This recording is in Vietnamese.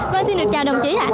và xin được chào đồng chí ạ